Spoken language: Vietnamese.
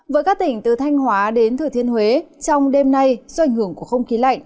với các tỉnh từ thanh hóa đến thừa thiên huế trong đêm nay do ảnh hưởng của không khí lạnh